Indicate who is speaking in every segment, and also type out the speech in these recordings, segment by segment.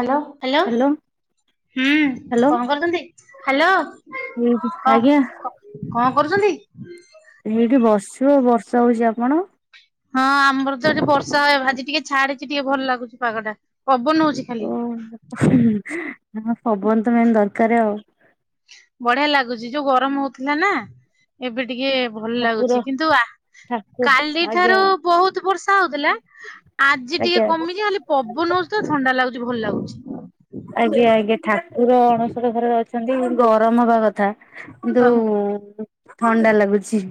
Speaker 1: Hello.
Speaker 2: Hello.
Speaker 1: ହୁଁ କଣ କରୁଚନ୍ତି ହାଲୋ
Speaker 2: ଏଇଠି
Speaker 1: କ
Speaker 2: ଆଜ୍ଞା
Speaker 1: କ କଣ କରୁଚନ୍ତି?
Speaker 2: ଏଇଠି ବସଚୁ ବର୍ଷା ହୋଉଚି ଆପଣ।
Speaker 1: ହଁ ଆମର ତ ଏଠି ବର୍ଷା ଏ ଭାଜି ଟିକେ ଛାଡିଚି ଟିକେ ଭଲଲାଗୁଚି ପାଗଟା ପବନ ହୋଉଚି।
Speaker 2: ହୁଁ ହଁ ପବନ ତ ମେନ ଦରକାରେ ଆଉ।
Speaker 1: ବଢିଆ ଲାଗୁଚି ଯୋଉ ଗରମ ହୋଉଥୁଲା ନା ଏବେ ଟିକେ ଭଲ
Speaker 2: ଠାକୁର
Speaker 1: ଲାଗୁଚି କିନ୍ତୁ ଆ
Speaker 2: ଠାକୁର
Speaker 1: କାଲି
Speaker 2: ଆଜ୍ଞା
Speaker 1: ଠାରୁ ବୋହୁତ ବର୍ଷା ହୋଉଥୁଲା ଆଜି
Speaker 2: ଆଜ୍ଞା
Speaker 1: ଟିକେ କମିଚି ଖାଲି ପବନ ହୋଉଚି ତ ଥଣ୍ଡାଲାଗୁଚି ଭଲଲାଗୁଚି।
Speaker 2: ଆଜ୍ଞା ଆଜ୍ଞା ଠାକୁର ଅଣସର ଘରରେ ଅଛନ୍ତି ଗରମ ହବା କଥା। କିନ୍ତୁ
Speaker 1: ଓହୋ
Speaker 2: ଥଣ୍ଡା ଲାଗୁଚି।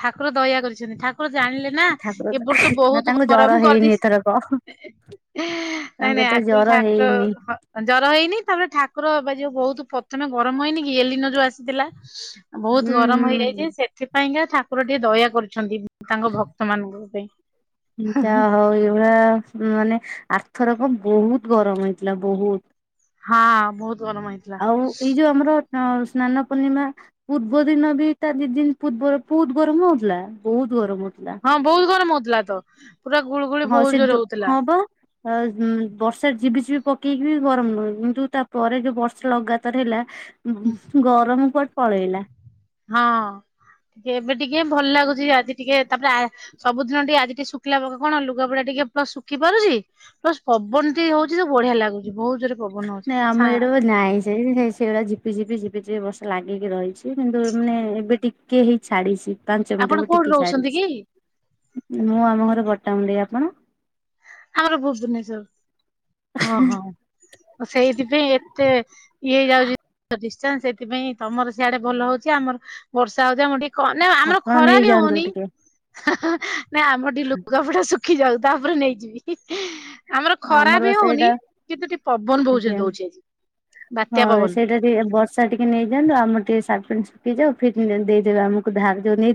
Speaker 1: ଠାକୁର ଦୟା କରିଛନ୍ତି ଠା କୁର ଜାଣିଲେ ନା
Speaker 2: ଠାକୁର
Speaker 1: ଏ ବର୍ଷ
Speaker 2: ନା
Speaker 1: ବୋହୁତ
Speaker 2: ତାଙ୍କୁ ଜର
Speaker 1: ଗରମ
Speaker 2: ହେଇନି
Speaker 1: କରିଦେଇ
Speaker 2: ଏଥରକ
Speaker 1: ନାଇଁ
Speaker 2: ତାଙ୍କୁ
Speaker 1: ନାଇ
Speaker 2: ଏଥର
Speaker 1: ଅକ୍ଚୁଆଲି
Speaker 2: ଜର
Speaker 1: ଠାକୁର
Speaker 2: ହେଇନି
Speaker 1: ଜର ହେଇନି ତାପରେ ଠାକୁର ବା ଯଉ ବହୁତ ପ୍ରଥମେ ଗରମ ହେଇନି କି ଏଲିନ ଯୋଉ ଆସିଥିଲା। ବହୁତ
Speaker 2: ହୁଁ
Speaker 1: ଗରମ ହେଇଯାଇଛି ସେଥିପାଇଁକା ଠାକୁର ଟିକେ ଦୟା କରୁଛନ୍ତି। ତାଙ୍କ ଭକ୍ତ ମାନଙ୍କ ପାଇଁ।
Speaker 2: ଯା ହଉ [unintelligible] ମାନେ ଆର ଥରକ ବହୁତ ଗରମ ହେଇଥିଲା ବହୁତ।
Speaker 1: ହଁ ବହୁତ ଗରମ ହେଇଥିଲା।
Speaker 2: ଆଉ ଏଇ ଯୋଉ ଆମର ଅ ସ୍ନାନ ପୂର୍ଣ୍ଣିମା ପୂର୍ବ ଦିନ ବି ତା ଦି ଦିନ ପୂର୍ବ ବହୁତ ଗରମ ହଉଥିଲା ବହୁତ ଗରମ ହଉଥିଲା
Speaker 1: ହଁ ବହୁତ ଗରମ ହଉଥିଲା ତ ପୁରା ଗୁଳୁଗୁଳି ବହୁତ ଜୋର ହଉଥିଲା।
Speaker 2: ଆ ବର୍ଷା ଯିିବିଝିିବି ପକେଇକି ବି ଗରମ ନୁହେଁ କିନ୍ତୁ ତାପରେ ଯୋଉ ବର୍ଷା ଲଗାତାର ହେଲା
Speaker 1: ହୁଁ,
Speaker 2: ଗରମ କୁଆଡ଼େ ପଳେଇଲା।
Speaker 1: ହଁ ଏବେ ଟିକେ ଭଲ ଲାଗୁଛି ଆଜି ଟିକେ ତାପରେ ସବୁଦିନ ଟିକେ ଆଜି ଟିକେ ଶୁ ଖିଲା ପାଗ କଣ ଲୁଗାପଟା ଟିକେ ପ୍ଲସ ଶୁଖି ପାରୁଛି ପ୍ଲସ ପବନ ଟେ ହଉଛି ତ ବଢିଆ ଲାଗୁଛି ବହୁତ ଜୋର
Speaker 2: ନାଇଁ ଆମ ଇଆଡ଼େ ତ ନାଇ। ସେଇ ସେ ସେଇ ଭଳିଆ ଝିପିଝିପି ଝିପିଝିପି ବର୍ଷା ଲାଗିକି ରହିଛି କିନ୍ତୁ ମାନେ ଏବେ ଟିକେ ହେଇ ଛାଡିଛି।
Speaker 1: ଆପଣ
Speaker 2: ପାଞ୍ଚମିଟହବ
Speaker 1: କୋଉଠି
Speaker 2: ଟିକେ
Speaker 1: ରହୁଛନ୍ତି କି?
Speaker 2: ଛାଡିଛି ମୁଁ ଆମ ଘରେ ବଟାମୁଣ୍ଡେଇ ଆପଣ?
Speaker 1: ଆମର ଭୁବନେଶ୍ଵର ଓହୋ ସେଇଥିପାଇଁ ଏତେ ଇଏ ହେଇ ଯାଉଛି ଡିଷ୍ଟାନ୍ସ ସେଥିପାଇଁ ତମର ସିଆଡେ ଭଲ ହଉଛି ଆମର ବର୍ଷା ହଉଛି ଆମର ଟିକେ ନା ଆମର
Speaker 2: ଆପଣ
Speaker 1: ଖରା ବି
Speaker 2: ନେଇଯାଆନ୍ତୁ
Speaker 1: ହଉନି।
Speaker 2: ଟିକେ
Speaker 1: ନାଇ ଆମର ଟିକେ ଲୁଗାପଟା ଶୁଖି ଯାଉ ତାପରେ ନେଇଯିବି। ଆମର ଖରା ବି ହଉନି କିନ୍ତୁ ଟିକେ ପବନ ବହୁତ୍ ଜୋରେ
Speaker 2: ଆଜ୍ଞା।
Speaker 1: ଦଉଛି ବାତ୍ୟା ପବନ।
Speaker 2: ଟିକ ବର୍ଷା ଟିକେ ନେଇଯାନ୍ତୁ ଆମ ଟିକେ ସାର୍ଟ ପ୍ୟାଣ୍ଟ ଶୁଖିଯାଉ ଫିର୍ ଦେଇଦେବେ ଆମକୁ ଧାର ଯଉ ନେଇ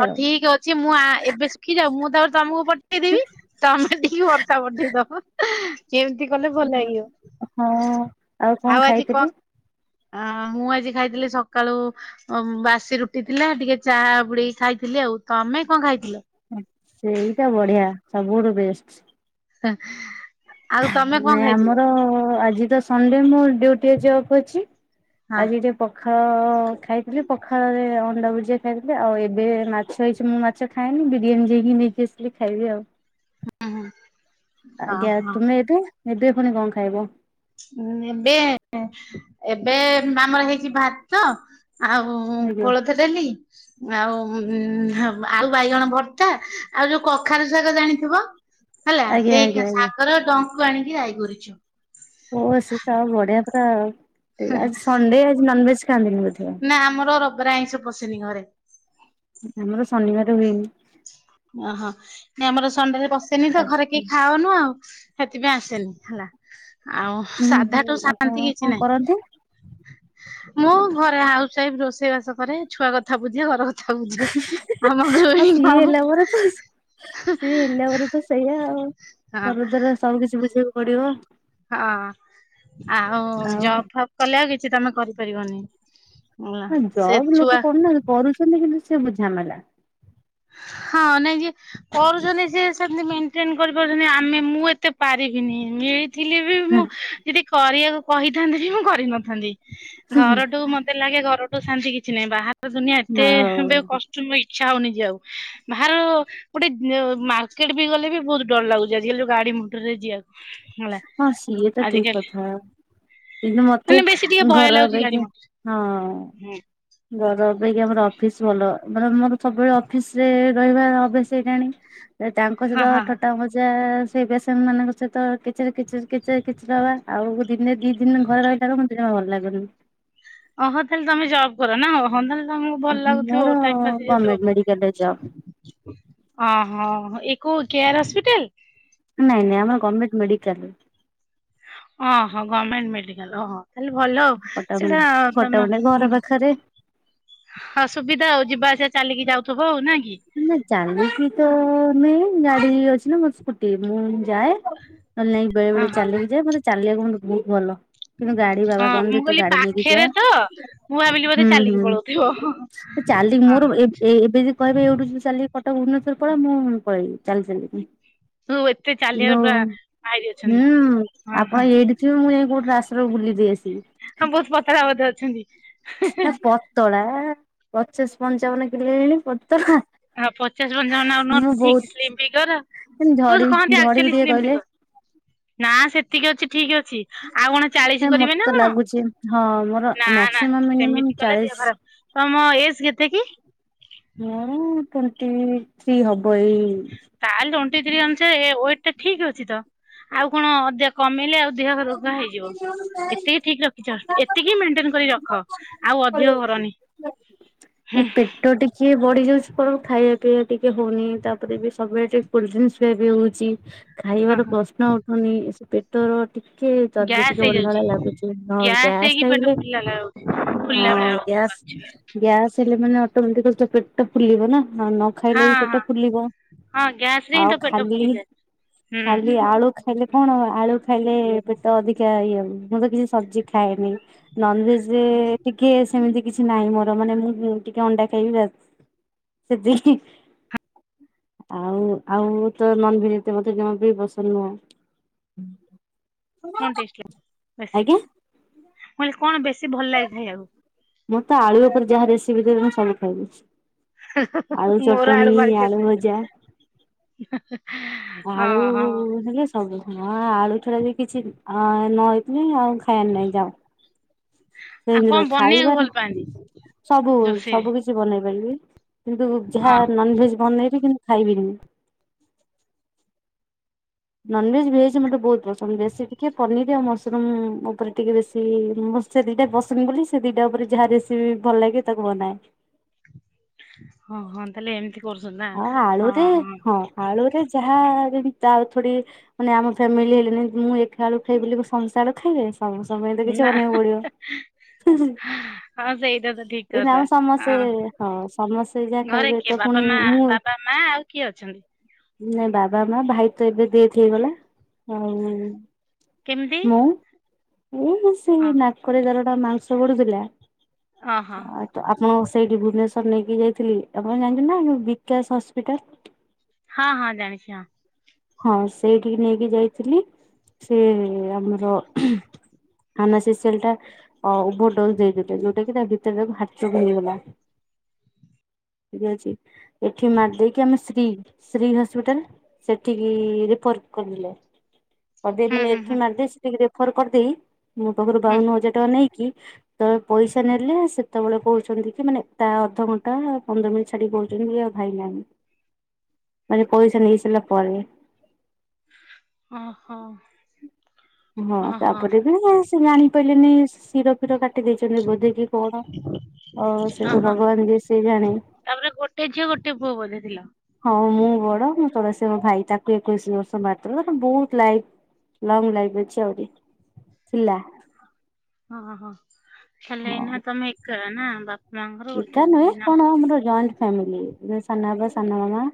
Speaker 1: ହଉ ଠିକ ଅଛି ମୁଁ ଆ ଏବେ ଖି ଯାଉ ମୁଁ ତାପରେ ତମକୁ ପଠେଇଦେବି ତମେ ଟିକେ ବର୍ଷା ପଠେଇ ଦବ। କେମିତି କଲେ ଭଲ ଲାଗିବ
Speaker 2: ହଁ। କଣ
Speaker 1: ଆଉ ଆଜି
Speaker 2: ଖାଇଥିଲି
Speaker 1: କଣ? ଅ ମୁଁ ଆଜି ଖାଇଥିଲି ସକାଳୁ ବାସି ରୁଟି ଥିଲା ଟିକେ ଚା ବୁଡେଇକି ଖାଇଥିଲି ଆଉ ତମେ କଣ ଖାଇଥିଲ?
Speaker 2: ସେଇଟା ବଢ଼ିଆ ସବୁଠୁ ବେଷ୍ଟ।
Speaker 1: [inaudible] ତମେ କଣ
Speaker 2: ନାଇଁ
Speaker 1: ଖାଇଥିଲ?
Speaker 2: ଆମର ଆଜି ତ ସଣ୍ଡେ ମୋ ଡିଉଟି ଆଜି ଅଫ୍ ଅଛି
Speaker 1: ହଁ
Speaker 2: ଆଜି ଟେ ପଖାଳ ଖାଇଥିଲି ପଖାଳ ରେ ଅଣ୍ଡା ଭୁଜିଆ ଖାଇଥିଲି ଆଉ ଏବେ ମାଛ ହେଇଛି ମୁଁ ମା ଛ ଖାଏନି ବିରିଆନୀ ଯାଇକି ନେଇକି ଆସିଲି ଖାଇବି ଆଉ।
Speaker 1: ହୁଁ ହୁଁ।
Speaker 2: ଆଜ୍ଞା ତୁମେ ଏବେ ଏବେ ପୁଣି କଣ ଖାଇବ?
Speaker 1: ଏବେ ଏବେ ଆମର ହେଇଛି ଭାତ ଆଉ
Speaker 2: ଆଜ୍ଞା
Speaker 1: କୋଳଥ ଡାଲି ଆଉ ଆଳୁ ବାଇଗଣ ଭର୍ତ୍ତା ଆଉ ଯୋଉ କଖାରୁ ଶାଗ ଜାଣିଥିବ? ହେଲା
Speaker 2: ଆଜ୍ଞା ଆଜ୍ଞା
Speaker 1: ସେଇ
Speaker 2: ଆଜ୍ଞା।
Speaker 1: ଶାଗର ଡଙ୍କୁ ଆଣିକି ରାଇ କରିଛୁ।
Speaker 2: ଓ ହୋ ସେ ତ ଆଉ ବଢିଆ ପୁରା ଆ ସଣ୍ଡେ ଆଜି ନନଭେଜ ଖାଆନ୍ତିନି ବୋଧେ?
Speaker 1: ନା ଆମର ରବାର ଆଇଁଷ ପଶେନି ଘରେ।
Speaker 2: ଆମର ଶନିବାର ହୁଏନି।
Speaker 1: ଓହୋ ଆମର ସଣ୍ଡେ ରେ ପସେନି ତ ଘରେ କେହି ଖାଅନୁ ଆଉ ସେଥିପାଇଁ ଆସେନି ହେଲା। ଆଉ
Speaker 2: ହୁଁ ହୁଁ
Speaker 1: ସାଧାଠୁ
Speaker 2: ଆପଣ
Speaker 1: ଶାନ୍ତି
Speaker 2: କଣ
Speaker 1: କିଛି ନାହିଁ।
Speaker 2: କରନ୍ତି?
Speaker 1: ମୁଁ ଘରେ ହାଉସ ୱାଇଫ ରୋଷେଇ ବାସ କରେ ଛୁଆ କଥା ବୁଝେ ଘର କ ଥା ବୁଝେ ଆମ
Speaker 2: ହଁ
Speaker 1: ଗୃହିଣୀ
Speaker 2: ସିଏ
Speaker 1: ଆଉ
Speaker 2: ହେଲା ପରେ ସିଏ ହେଲା ପରେ ତ ସେଇଆ ଆଉ
Speaker 1: ହଁ
Speaker 2: ଘର ସବୁ କିଛି ବୁଝିବାକୁ ପଡ଼ିବ ଆଉ।
Speaker 1: ହଁ ଆଉ ଜବ୍ ଫବ୍ କଲେ ଆଉ କିଛି ତମେ କରିପାରିବନି। ହେଲା
Speaker 2: ହଁ
Speaker 1: ସେ
Speaker 2: ଜବ୍
Speaker 1: ଛୁଆ
Speaker 2: ଲୋକ କରୁନା କରୁଛନ୍ତି କିନ୍ତୁ ସେ ବୁଝାମଲା।
Speaker 1: ହଁ ନାଇଁ ଯେ- କରୁଛନ୍ତି ଯିଏ ସିଏ ସେମତି ମେଣ୍ଟେନ କରିପାରୁଛନ୍ତି ଆମେ ମୁଁ ଏତେ ପାରିବିନି ଏଇ- ଥିଲେ ବି ମୁଁ ଯଦି କରିବାକୁ କହିଥାନ୍ତେ ବି ମୁଁ କରିନଥାନ୍ତି। ଘରଠୁ ମତେ ଲାଗେ ଘରଠୁ ଶାନ୍ତି କିଛି ନାହିଁ ବାହାର ଦୁନିଆ ଏତେ ଏବେ
Speaker 2: ଆଉ
Speaker 1: କଷ୍ଟ। ଇଚ୍ଛା ହଉନି ଯିବାକୁ ଆଉ ବାହାରୁ ଗୋଟେ ଯି ମାର୍କେଟ ବି ଗଲେ ବି ବହୁତ ଡର ଲାଗୁଛି ଆଜିକାଲି ଯଉ ଗାଡି ମଟର ରେ ଯିବାକୁ। ହେଲା
Speaker 2: ହଁ ସିଏ ତ ଠିକ
Speaker 1: ଆଜିକାଲି
Speaker 2: କଥା। କିନ୍ତୁ ମତେ
Speaker 1: ମାନେ ବେଶୀ ଟିକେ ଭୟ
Speaker 2: ଘର
Speaker 1: ଲାଗୁଛି ଗାଡି
Speaker 2: ଅପେକ୍ଷା
Speaker 1: ମଟର
Speaker 2: ହଁ- ଘର ଅପେକ୍ଷା ମୋର ଅଫିସ ଭଲ ମାନେ ଆମର ସବୁବେଳେ ଅଫିସରେ ରହିବା ଅଭ୍ୟାସ ହେଇ ଗଲାଣି। ତାଙ୍କ
Speaker 1: ହଁ
Speaker 2: ସହିତ
Speaker 1: ହଁ ହଁ।
Speaker 2: ଠଟା ମଜା ସେଇ ପେସେନ ମାନଙ୍କ ସହିତ କିଚିରି କିଚିରି କିଚିରି କିଚିରି - ଆଉ ଦିନ ଦି ଦିନ ଘରେ ରହିଲା ମତେ ଜମା ଭଲ ଲାଗୁନି।
Speaker 1: ଅହୋ ତାହଲେ ତମେ ଜବ୍ କର ନା ଅହଲେ ତା ତମକୁ ଭଲ
Speaker 2: ମୋର
Speaker 1: ଲାଗୁଥିବ ଟାଇମ ପାସ୍
Speaker 2: ଗଭର୍ଣ୍ଣମେଣ୍ଟ ମେଡିକାଲରେ ଜବ
Speaker 1: ହେଇଯାଉଥିବ। ଅହୋ ଏକଓ କେୟାର ହସ୍ପିଟାଲ?
Speaker 2: ନାଇଁ ନାଇ ଆମର ଗଭର୍ଣ୍ମେଣ୍ଟ ମେଡିକାଲ।
Speaker 1: ଓହୋ ଗଭର୍ଣ୍ଣମେଣ୍ଟ ମେଡିକାଲ ଓହଁ। ତାହେଲେ ଭଲ
Speaker 2: କଟକ
Speaker 1: ସେଇଟା ତମେ
Speaker 2: କଟକରେ ଘର
Speaker 1: ଉଁ
Speaker 2: ପାଖରେ।
Speaker 1: ହଁ ସୁବିଧା ହଉ ଯିବା ଆସିବା ଚାଲିକି ଯାଉଥିବ ଆଉ ନା କି?
Speaker 2: ନା ଚାଲିଛି ତ ନାଇଁ ଗାଡି ଅଛି ନା ମୋର ସ୍କୁଟି ମୁଁ ଯାଏ। ନହେଲେ ନାଇ ବେଳେ
Speaker 1: ହଁ
Speaker 2: ବେଳେ
Speaker 1: ହଁ
Speaker 2: ଚାଲିକି ଯାଏ ମତେ ଚାଲିବାକୁ ମୋତେ ବହୁତ ଭଲ କିନ୍ତୁ ଗାଡି ବାବା
Speaker 1: ହଁ ମୁଁ
Speaker 2: କହନ୍ତି ତୁ
Speaker 1: କହିଲି
Speaker 2: ଗାଡି ନେଇକି ଯା
Speaker 1: ପାଖେରେ ତ ମୁଁ ଭାବିଲି ବୋଧେ
Speaker 2: ହୁଁ
Speaker 1: ଚାଲିକି
Speaker 2: ହୁଁ।
Speaker 1: ପଳଉଥିବ ହଁ।
Speaker 2: ତ ଚାଲିିକି ମୋର ଏ ଏଇ ଏବେ ଯଦି କହିବେ ଏଇଠୁ ଚାଲିକି କଟକ ଭୁବନେଶ୍ୱର ପଳା ମୁଁ ପଳେଇବି ଚାଲି ଚାଲିକି।
Speaker 1: ତୁ ଏତେ ଚାଲିବାରେ
Speaker 2: କିଲୋ
Speaker 1: ପୁରା ମାହିରି ଅଛନ୍ତି
Speaker 2: ହୁଁ
Speaker 1: ହଁ
Speaker 2: ଆପଣ
Speaker 1: ହଁ
Speaker 2: ଏଇଠି ସେ ମୁଁ ଯାଇକି କୋଉଟ ରା [unintelligible] କୁ ବୁଲି ଦେଇ ଆସିବି।
Speaker 1: ହଁ ବହୁତ ପଥଳା ବୋଧେ ଅଛନ୍ତି?
Speaker 2: ନା ପତଳା ପଚାଶ ପଞ୍ଚାବନ କିଲୋ ହେଣି ପତଳା।
Speaker 1: ହଁ ପଚାଶ ପଂଚାବନ ଆଉ ନୁହ
Speaker 2: ମୁଁ ବହୁତ
Speaker 1: ଠିକ ସ୍ଲିମ ଫିଗର ଯୋଉ
Speaker 2: ଝଡି
Speaker 1: କୁହନ୍ତି
Speaker 2: ଝଡିବି
Speaker 1: ଆକଚୁଆଲ
Speaker 2: ଟିକେ
Speaker 1: ସ୍ଲିମ
Speaker 2: କହିଲେ
Speaker 1: ଫିଗର। ନା ସେତିକି ଅଛି ଠିକ ଅଛି। ଆଉ କଣ ଚାଳିଶ କରିବେ
Speaker 2: ମତେ
Speaker 1: ନା
Speaker 2: ତ
Speaker 1: କଣ
Speaker 2: ଲାଗୁଛି ହଁ ମୋର
Speaker 1: ନା ନା
Speaker 2: ମ୍ୟାକ୍ସିମମ୍ ମିନିମମ୍
Speaker 1: ସେମିତି କଲେ
Speaker 2: ଚାଳିଶ
Speaker 1: ଦେହ ଖରାପ ତମ ଏଜ କେତେ କି?
Speaker 2: ମୁଁ ଟେଣ୍ଟି ଥ୍ରୀ ହବ ଏଇ
Speaker 1: ତାହେଲେ ଟୋଣ୍ଟି ଥ୍ରୀ ଅନୁସେ ୱେଟ ଟା ଠିକ୍ ଅଛି ତ ଆଉ କଣ କମିଲେ ଆଉ ଦେହ ରୋଗ ହେଇଯିବ। ଏତିକି ଠିକ ରଖିଛନ୍ତି ଏତିକି ମେଣ୍ଟେନ କରି ରଖ ଆଉ ଅଧିକ କରନି। ହୁଁ।
Speaker 2: କିଏ ବଢି ଯାଉଛି କ ଖାଇବା ପିଇ ଟିକେ ହଉନି ତାପରେ ବି ସବୁବେଳେ ଟିକେ କୋଲଡ୍ରିଙ୍କିଆ ବି ହଉଛି।
Speaker 1: ହଁ
Speaker 2: ଖାଇବାର
Speaker 1: ହଁ
Speaker 2: ପ୍ରଶ୍ନ ଉଠୁନି ସେ ପେଟର ଟିକେ ଚର୍ବି ଟିକେ
Speaker 1: ଗ୍ୟାସ୍
Speaker 2: ବଢିଲା ଭଳିଆ
Speaker 1: ହେଇଯାଉଛି
Speaker 2: ଲାଗୁଛି ହଁ
Speaker 1: ଗ୍ୟାସ
Speaker 2: ଗ୍ୟାସ୍ ଟା
Speaker 1: ହେଇକି ପେଟ
Speaker 2: ହେଇଗଲେ
Speaker 1: ଫୁଲିଲା ଲାଉଛି ଫୁଲିଲା ଭଳିଆ ଲାଗୁଚି [unintelligible] [unintelligible]
Speaker 2: ଗ୍ୟାସ ହେଲେ ମାନେ ଅଟୋମେଟିକ୍ ପେଟ ଟା ଫୁଲିବ ନା [unintelligible]
Speaker 1: ହଁ
Speaker 2: ଖାଇଲେ ବି
Speaker 1: ହଁ
Speaker 2: ପେଟ ଫୁଲିବ
Speaker 1: ହଁ ଗ୍ୟାସ ରେ ହିଁ
Speaker 2: ଆଉ
Speaker 1: ତ ପେଟ
Speaker 2: ଖାଲି
Speaker 1: ଫୁଲିଯାଏ ହୁଁ
Speaker 2: ଖାଲି ଆଳୁ ଖାଇଲେ କଣ ଆଳୁ ଖାଇଲେ ପେଟ ଅଧିକା ଇଏ ହବ ମୁଁ ତ କିଛି ସବଜି ଖାଏନି। ନନଭେଜରେ ଟିକେ ସେମିତି କିଛି ନାହିଁ ମୋର ମାନେ ମୁଁ ଟିକେ ଅଣ୍ଡା ଖାଇବି ର [unintelligible] ଆଉ ଆଉ ତ ନନ ଭେଜ ଏତେ ମୋତେ ଜମାବି ପସନ୍ଦ ନୁହଁ।
Speaker 1: କଣ ଟ ବେଶୀ
Speaker 2: ଆଜ୍ଞା
Speaker 1: ମଲେ କଣ ବେଶୀ ଭଲ ଲାଗେ ଖାଇବାକୁ?
Speaker 2: ମୁଁ ତ ଆଳୁ ଉପରେ ଯାହା ରେସିପି ଦେବି ମୁଁ ସବୁ ଖାଇବି। ଆଳୁ
Speaker 1: ମୋର
Speaker 2: ଚଟଣି ଆଳୁ ଭଜା।
Speaker 1: ହୁଁ ହୁଁ ହଁ।
Speaker 2: ଆଉ
Speaker 1: ହଁ
Speaker 2: [unintelligible] ସବୁ ହଁ, ଆଳୁ ଛଡା ବି କିଛି ନହଇଥିଲିନି ଆଉ ଖାଇବାର ନାଇଁ ଯା
Speaker 1: ଆଉ
Speaker 2: ସେ
Speaker 1: କଣ ବନେଇବାକୁ
Speaker 2: ଖାଇବାରେ
Speaker 1: ଭଲ ପାଆନ୍ତି
Speaker 2: ସବୁ
Speaker 1: ରୋଷେଇରେ?
Speaker 2: ସବୁ କିଛି। ବନେଇ ପାରିବି କିନ୍ତୁ ଯାହା
Speaker 1: ହଁ
Speaker 2: ନନ ଭେଜ ବନେଇବି କିନ୍ତୁ ଖାଇବିନି। ନନଭେଜ ଭେଜ ମୋତେ ବହୁତ ପସନ୍ଦ, ବେଶୀ ଟିକେ ପନିର ଆଉ ମସରୁମ ଉପରେ ଟିକେ ବେଶୀ ସେ ଦିଟା ପସନ୍ଦ ବୋଲି, ସେ ଦିଟା ଉପରେ ଯାହା ରେସିପି ଭଲ ଲାଗେ ତାକୁ ବନାଏ।
Speaker 1: ହଁ, ହଁ, ତାହେଲେ ଏମିତି କରୁଛନ୍ତି ନା
Speaker 2: ଆଉ ଆଳୁରେ, ହଁ ଆଳୁରେ ଯାହା [unintelligible] ମାନେ ଆମ ଫ୍ୟାମିଲି ହେଣିି ମୁଁ ଏକ ଆଳୁ ଖାଇବି ବୋଲି, କଣ ସମସ୍ତେ ଆଳୁ ଖାଇବେ? ସମବୁ ସମୟ ତ କିଛି
Speaker 1: ନା
Speaker 2: ବନେଇକୁ ପଡିବ।
Speaker 1: ହଁ ସେଇଟା ତ ଠିକ
Speaker 2: ଏଇ ଆମ
Speaker 1: କଥା
Speaker 2: ସମସ୍ତେ
Speaker 1: ହଁ
Speaker 2: ହଁ ସମସ୍ତେ ଯାହା ଖାଇବେ ତ ପୁଣି
Speaker 1: ହ ବାବା ମା ଆଉ କିଏ ଅଛନ୍ତି?
Speaker 2: ନାଇ ବାବା ମା ଭାଇ ତ ଏବେ ଦେଥ ହେଇଗଲା।
Speaker 1: କେମିତି?
Speaker 2: ଏ
Speaker 1: ଅ
Speaker 2: ସେଇ ନାକରେ ଦାର ଟା ମାଂସ ବଢ଼ୁଥିଲା
Speaker 1: ଅ ହଁ
Speaker 2: ତ ଆପଣ ସେଇଠି ଭୁବନେଶ୍ଵର ନେଇକି ଯାଇଥିଲି, ଆପଣ ଜାଣିଛୁ ନା ବିକାଶ ହସ୍ପିଟାଲ
Speaker 1: ହଁ ହଁ ଜାଣିଛି ହଁ।
Speaker 2: ହଁ ସେଇଠିକି ନେଇକି ଯାଇଥିଲି, ସେ ଆମର ଆମ ସେଷଲଟା ଅ ଓଭରଡୋଜ ଦେଇଦେଇଥିଲେ, ଯୋଉଟା କି ତା ଭିତରେ ହାଟଚୋକ ହେଇଗଲା। ଠିକ ଅଛି, ଏଠି ମାର ଦେଇକି ଆମେ ଶ୍ରୀ ଶ୍ରୀ ହସ୍ପିଟାଲ ସେଠିକି ରେଫର କରିଦେଲେ, କରିଦେଇଲେ
Speaker 1: ହୁଁ
Speaker 2: ଏଠି
Speaker 1: ହୁଁ
Speaker 2: ମାରିଦେ ସେଠିକି ରେଫର କରିଦେଇ ମୋ ପାଖରୁ
Speaker 1: ହୁଁ ହୁଁ
Speaker 2: ବାଉନ ହଜାର ଟଙ୍କା ନେଇକି ସେତେବେଳେ ପଇସା ନେଲେ ସେତେବେଳେ କହୁଛନ୍ତି କି ମାନେ ତା ଅଧଘଣ୍ଟା ପନ୍ଦର ମିନିଟ ଛାଡି କହୁଛନ୍ତି ଆଉ ଭାଇ ନାହାନ୍ତି, ମାନେ ପଇସା ନେଇ ସାରିଲା ପରେ।
Speaker 1: ଓହୋ
Speaker 2: ହଁ
Speaker 1: ଓହୋ
Speaker 2: ତାପରେ ବି, ସେ ଜାଣି ପାରିଲନି ଶିର ଫିର କାଟି ଦେଇଛନ୍ତି ବୋଧେକି କଣ? ହଉ ସେ ତୁ
Speaker 1: ଓହୋ
Speaker 2: ଭଗବାନ ଯିଏ ସେ ଜାଣେ।
Speaker 1: ତାପରେ ଗୋଟେ ଝିଅ ଗୋଟେ ପୁଅ ବୋଧେ ଥିଲ।
Speaker 2: ହଁ ମୁଁ ବଡ, ମୋ ତଳେ ସେ ମୋ ଭାଇ, ତାକୁ ଏକୋଇଶି ବର୍ଷ ମାତ୍ର ତ ବହୁତ ଲାଇ ଲଙ୍ଗ ଲାଇଫ୍ ଅଛି ଆହୁରି ଥିଲା।
Speaker 1: ହଁ ହଁ, ତାହାଲେ
Speaker 2: ହଁ।
Speaker 1: ଏନା ତମେ ଏକା ନା ବା
Speaker 2: ଏକା ନୁହେଁ, କଣ ଆମର ଜଏଣ୍ଟ ଫ୍ୟାମିଲି ସାନବାପା, ସାନମାମା।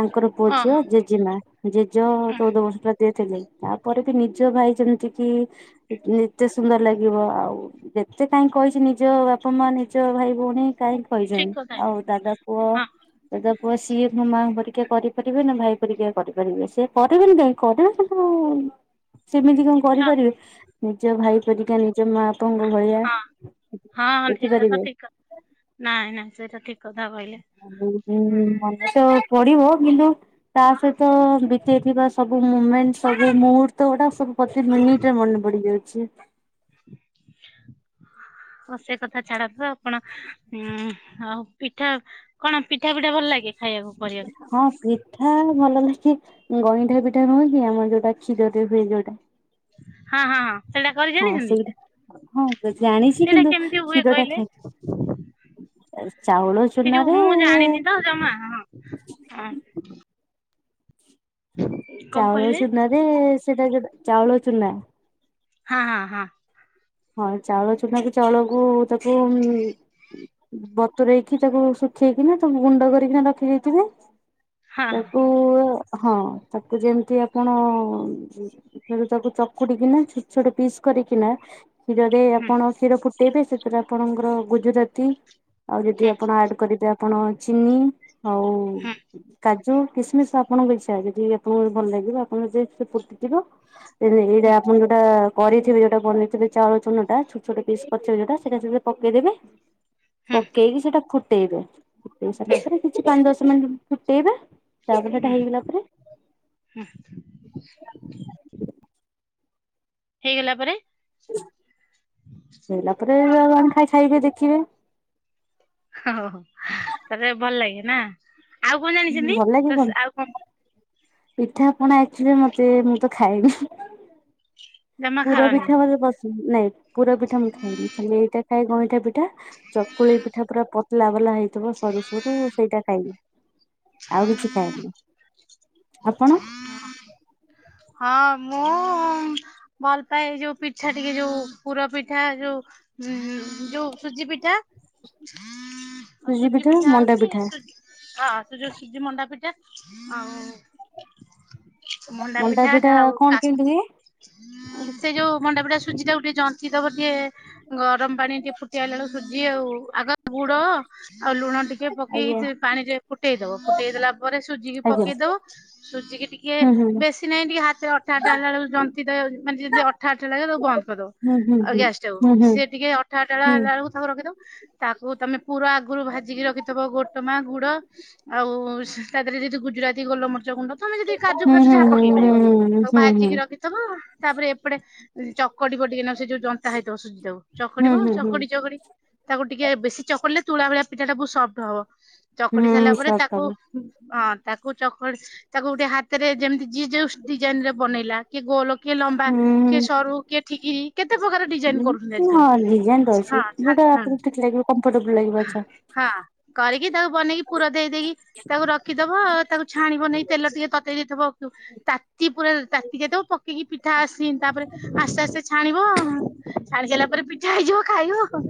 Speaker 2: ତାଙ୍କର ପୁଅ, ଝିଅ,
Speaker 1: ଓହୋ
Speaker 2: ଜେ ଜେମା ଜେଜ
Speaker 1: ଉଁ
Speaker 2: ଚଉଦ ବର୍ଷଟତିଏ ଥିଲେ ତାପରେ ବି ନିଜ ଭାଇ ଯେମିତି କି [unintelligible] ଏତେ ସୁନ୍ଦର ଲାଗିବ ଆଉ ଯେତେ କାହିଁ କହିଛି ନିଜ ବାପ ମା ନିଜ ଭାଇ ପୁଣି କାହିଁକି
Speaker 1: ଠିକ
Speaker 2: କହିଛନ୍ତି?
Speaker 1: କଥା
Speaker 2: ଆଉ ଦାଦା ପୁଅ
Speaker 1: ହଁ
Speaker 2: ଦାଦା ପୁଅ ସିଏ ମୋ ମାଆଙ୍କ ପରିକା କରିପାରିବେ ନା, ଭାଇ ପରିକା କରିପାରିବେ, ସିଏ କରିବେନି କାଇଁ କରିବା ସେମିତି କଣ ସେମିତି କଣ
Speaker 1: ହଁ
Speaker 2: କରିପାରିବେ ନିଜ ଭାଇ ପରିକା ନିଜ ମା ପଙ୍ଗୁ ଭଳିଆ
Speaker 1: ଠ- ହଁ ହଁ ସେଇଟା ତ
Speaker 2: ଦେଖିପାରିବେ।
Speaker 1: ଠିକ କଥା ନାଇଁ ନାଇଁ ସେଟା ଠିକ। କଥା କହିଲେ। ହୁଁ
Speaker 2: [unintelligible] ମନେ ତ ପଡିବ କିନ୍ତୁ ତା ସହିତ ବିତେଇ ଥିବା ସବୁ ମୁମେଣ୍ଟ ସବୁ ମୁହୂର୍ତ୍ତ ଗୁଡା ସବୁ ପ୍ରତି ମିନିଟ ସିଏ ମନେ ପଡିି ଯାଉଛି। [inaudible]
Speaker 1: ହ ସେ କଥା ଛାଡନ୍ତୁ, ଆପଣ ଉଁ ଆଉ ପିଠା କଣ ପିଠା ପିଠା ଭଲ ଲାଗେ ଖାଇବାକୁ କରିବାକୁ?
Speaker 2: ହଁ ପିଠା ଭଲ ଲାଗେ ଗଇଁଠା ପିଠା ନୁହଁ କି ଆମର ଯୋଉଟା କ୍ଷୀରରେ ହୁଏ ଯୋଉଟା
Speaker 1: ହଁ ହଁ ହଁ ସେଇଟା କରି
Speaker 2: ହଁ
Speaker 1: ଜାଣିଛନ୍ତି?
Speaker 2: ସେଇଟା ହଁ ତ ଜାଣିଛି
Speaker 1: ସେଇଟା
Speaker 2: କିନ୍ତୁ
Speaker 1: କେମିତି ହୁଏ
Speaker 2: କ୍ଷୀରଟା
Speaker 1: କହିଲେ
Speaker 2: ଥାଏ। ଏ ଚାଉଳ
Speaker 1: ସେ ଯୋଉ
Speaker 2: ଚୁନାରେ
Speaker 1: ମୁଁ ଜାଣିନି ତ ଜମା ହଁ। ହଁ କଣ
Speaker 2: ଚାଉଳ
Speaker 1: କହିଲେ
Speaker 2: ଚୁନାରେ ସେଟା ଯୋଉଟା ଚାଉଳ ଚୁନା
Speaker 1: ହଁ ହଁ ହଁ
Speaker 2: ହଁ ଚାଉଳ ଚୁନାକୁ ଚାଉଳକୁ ତାକୁ ଉଁ ବତୁରେଇକି ତାକୁ ଶୁଖେଇକିନା ତାକୁ ଗୁଣ୍ଡ କରିକିନା ରଖି ଦେଇଥିବେ।
Speaker 1: ହଁ
Speaker 2: ତାକୁ ହଁ ତାକୁ ଯେମିତି ଆପଣ ହୁଁ ତାକୁ ଚକୁଡିକିନା ଛୋଟ ଛୋଟ ପିସ୍ କରିକିନା କ୍ଷୀରରେ
Speaker 1: ହୁଁ
Speaker 2: ଆପଣ କ୍ଷୀର ଫୁଟେଇବେ ସେଥିରେ ଆପଣଙ୍କର ଗୁଜୁଜାତି ଆଉ ଯଦି
Speaker 1: ହୁଁ
Speaker 2: ଆପଣ ଆଡ କରିବେ ଆପଣ ଚିନି ଆଉ
Speaker 1: ହୁଁ
Speaker 2: କା ଜୁ କିସମିସ ଆପଣ [unintelligible] ଯଦି ଆପଣଙ୍କୁ ଭଲ ଲାଗିବ ଆପଣ [unintelligible] ଫୁଟିଥିବ [unintelligible] ଏଇଟା
Speaker 1: ହୁଁ।
Speaker 2: ଆପଣ ଯୋଉଟା କରିଥିବେ ଯୋଉଟା ବନେଇଥିବେ ଚାଉଳ ଚୁନାଟା ଛୋଟ ଛୋଟ ପିସ୍ କରିଥିବେ ଯୋଉଟା ସେଟା [unintelligible] ପକେଇଦେବେ
Speaker 1: ହୁଁ
Speaker 2: ପକେଇକି ସେଟା ଫୁଟେଇବେ ଫୁଟେଇ
Speaker 1: ହୁଁ
Speaker 2: ସାରିଲା ପରେ କିଛି ପାଞ୍ଚ ଦଶ ମିନିଟ ଫୁଟେଇବେ ତାପରେ ହେଟା
Speaker 1: ହୁଁ
Speaker 2: ହେଇଗଲା ପରେ
Speaker 1: ହୁଁ ହେଇଗଲା ପରେ
Speaker 2: ହେଇଲା ପରେ [unintelligible] ଖାଇସାରିକି ଟିକେ ଦେଖିବେ।
Speaker 1: ଓହୋ ହୋ ତାଲେ ଭଲ ଲାଗେ ନା। ଆଉ କଣ
Speaker 2: ହଁ
Speaker 1: ଜାଣିଛନ୍ତି
Speaker 2: ଭଲ ଲାଗେ କଣ ପିଠା ପଣା ଆକଚୁଆଲି ମତେ ମୁଁ ତ ଖାଇନି
Speaker 1: ଜମା
Speaker 2: ପୁର
Speaker 1: ଖାଅନି?
Speaker 2: ପିଠା ମତେ ପସନ୍ଦ ନାଇଁ ପୁର ପିଠା ମୁଁ ଖାଇନି ଖାଲି ଏଇଟା ଖାଏ ଗଇଁଠା ପିଠା ଚକୁଳି ପିଠା ପୁରା ପତଲା ବଲା ହେଇଥିବ ସରୁ ସରୁ ସେଇଟା ଖାଇବି। ଆଉ କିଛି ଖାଇନି।
Speaker 1: [inaudible] ହଁ ମୁଁ ଭଲ ପାଏ ଯୋଉ ପିଠା ଟିକେ ଯୋଉ ପୁର ପିଠା ଯୋଉ ହୁଁ ହୁଁ ଯୋଉ ସୁଜି ପିଠା
Speaker 2: ସୁଜି ପିଠା, ମଣ୍ଡା ପିଠା
Speaker 1: ହ ଆସୁ ଯୋ ସୁଜି ମଣ୍ଡାପିଠା ଆଉ ମ
Speaker 2: ମଣ୍ଡା ପିଠା କଣ କେମତି କି
Speaker 1: ସେ ଯୋଉ ମଣ୍ଡା ପିଡା ସୁଜି ଟା କୁ ଟିକେ ଜନ୍ତି ତବ ଟିକେ ଗରମ ପାଣି ଟିକେ ଫୁଟି ଆଇକବେଳକୁ ସୁଜି ଆଉ ଆଗ ଗୁଡ ଆଉ ଲୁଣ ଟିକେ ଟିକେ ପକେଇକି
Speaker 2: ଆଜ୍ଞା
Speaker 1: ତ୍ତି ପାଣିରେ ଫୁଟେଇଦବ ଫୁଟେଇ ଦେଲା ପରେ ସୁଜିିକି
Speaker 2: ଆଜ୍ଞା
Speaker 1: ପକେଇ ଦଉ ସୁଜିକି ଟିକେ
Speaker 2: ହୁଁ ହୁଁ
Speaker 1: ବେଶୀ ସେ ନାଇଁ ଟି ହାତ ଅଠ ଅଠା ଟା ହେଲା ବେଲକୁ ଜନ୍ତି ଦେବେ ଜାମିତି ମାନେ ଯେମି ଅଠ ଆଠ ତାକୁ ବନ୍ତ କଦବ
Speaker 2: ହୁଁ
Speaker 1: ଆଉ
Speaker 2: ହୁଁ
Speaker 1: ଗ୍ୟାସ୍ ଟାକୁ
Speaker 2: ହୁଁ ହୁଁ
Speaker 1: ସିଏ ଟିକେ ଅଠା ଅଠା ହେଲା ବେକୁ ତାକୁ ରଖିଦବ। ତାକୁ ତମେ ପୁରା ଆଗରୁ ଭାଜିକି ରଖିଥବ ଗୋଟ ମା ଗୁଡ ଆଉ ତା ସି ଦେହରେ ଯଦି ଗୁଜୁରାତି ଗୋଲମର୍ଚା ଗୁଣ୍ଡ ତମେ ଯଦି କାଜୁ
Speaker 2: ହୁଁ
Speaker 1: ଫାଜୁ
Speaker 2: ହୁଁ ହୁଁ
Speaker 1: ଯାହା ପକେଇ ପାରିବ
Speaker 2: ହୁଁ
Speaker 1: ଆଉ
Speaker 2: ହୁଁ ହୁଁ ହୁଁ
Speaker 1: ଭାଜିକି ରଖ ପିତବା ତାପରେ ଏପଟେ ଚକଟି ବ ଟିକେ ନ ସେ ଯୋଉ ତା ହେତ ଅସୁଝି ଦବ ଚକଡିିବ
Speaker 2: ହୁଁ ହୁଁ ହୁଁ ହୁଁ
Speaker 1: ଚକଡି ଚକଡି ତାକୁ ଟିକେ ବେଶୀ ଚକୁଡିଲେ ତୁଳା ଭଳିଆ ପିଠାଟା ବହୁ ସଫ୍ଟ ହବ। ଚକଡି ସାରିଲା
Speaker 2: ହୁଁ
Speaker 1: ପରେ ତାକୁ
Speaker 2: ସକାଳେ
Speaker 1: ଅଁ ତାକୁ ଚକ ତାକୁ ଗୋଟେ ହାତରେ ଯେମତି ଯିଏ ଜୋଉ ଶୁ ଡିଜାଇନ ରେ ବନେଇଲା କିଏ ଗୋଲ କିଏ ଲମ୍ବା
Speaker 2: ହୁଁ
Speaker 1: କିଏ
Speaker 2: ହୁଁ
Speaker 1: ସରୁ କିଏ ଠିକିରି କେତେ ପ୍ରକାର ଡିଜାଇନ କରୁଛନ୍ତି ଆଜିକାଲି
Speaker 2: ହଁ ଡିଜାଇନ ର ଅ
Speaker 1: ହଁ
Speaker 2: ଯୋଟା
Speaker 1: ହଁ
Speaker 2: ଆପଣଙ୍କୁ ଠିକ ଲାଗିବ କଫର୍ଟେବଲ ଲାଗିବଛା
Speaker 1: ହଁ କରିକି ତାକୁ ବନେଇକି ପୁର ଦେଇ ଦେଇକି ତାକୁ ରଖିଦବ ତାକୁ ଛାଣିବ ନେଇ ତେଲ ଟିକେ ତତେଇ ଦେଇଥିବ ତାତି ପୁରା ତାତି ଯାଇଦବ ପକେଇକି ପିଠା ଆସି ତାପରେ ଆସ୍ତେ ଆସ୍ତେ ଛାଣିବ ଛାଣି ସାରିଲା ପରେ ପିଠା ହେଇଯିବ ଖାଇବ।